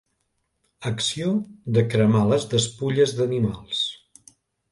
Acció de cremar les despulles d'animals.